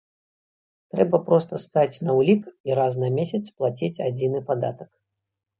Трэба проста стаць на ўлік і раз на месяц плаціць адзіны падатак.